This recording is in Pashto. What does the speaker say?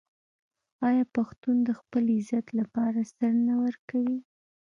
آیا پښتون د خپل عزت لپاره سر نه ورکوي؟